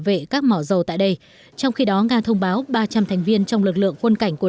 vệ các mỏ dầu tại đây trong khi đó nga thông báo ba trăm linh thành viên trong lực lượng quân cảnh của